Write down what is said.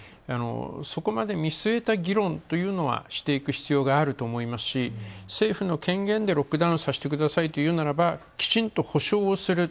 そこまで見据えた議論というのはしていく必要はあると思いますし政府の権限でロックダウンさせてくださいというのであれば、きちんと保障をする。